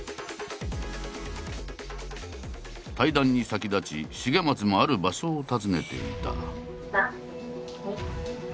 対談に先立ち重松もある場所を訪ねていた。